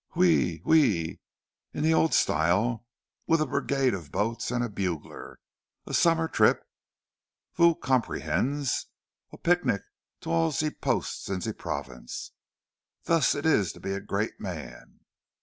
"Oui, oui! In the old style, with a brigade of boats, and a bugler. A summer trip, vous comprenez a picnic to all ze posts in ze province. Thus it is to be a great man!"